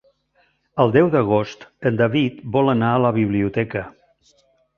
El deu d'agost en David vol anar a la biblioteca.